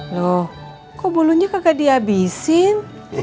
loh kok bulunya kagak dihabisin